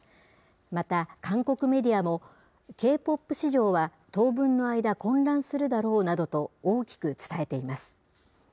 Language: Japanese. また、韓国メディアも、Ｋ−ＰＯＰ市場は当分の間、混乱するだろうなどと、大きく伝えています。